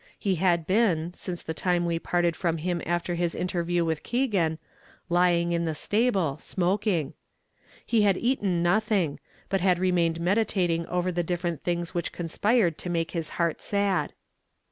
He had been, since the time we parted from him after his interview with Keegan, lying in the stable, smoking. He had eaten nothing, but had remained meditating over the different things which conspired to make his heart sad.